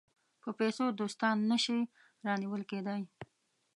په پیسو دوستان نه شي رانیول کېدای.